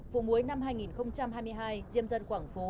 vụ muối năm hai nghìn hai mươi hai diêm dân quảng phú